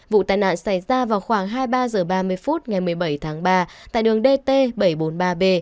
vụ tai nạn xảy ra vào khoảng hai mươi ba h ba mươi phút ngày một mươi bảy tháng ba tại đường dt bảy trăm bốn mươi ba b